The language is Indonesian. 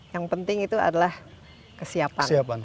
yang penting itu adalah kesiapan